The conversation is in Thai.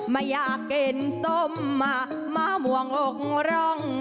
ไม่อยากกินส้มมะม่วงอกร่อง